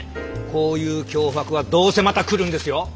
こういう脅迫はどうせまた来るんですよ！